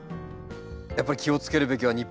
やっぱり気をつけるべきは日本の夏。